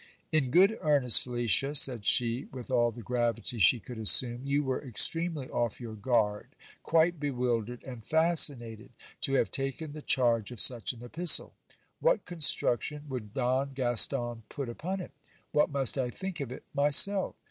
In good earnest, Felicia, said she with all the gravity she could assume, you were extremely off your guard, quite bewildered and fascinated, to have taken the charge of such an epistle. What construction would Don Gaston put upon it? What must I think of it myself?